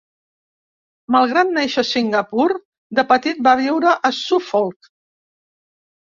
Malgrat néixer a Singapur, de petit va viure a Suffolk.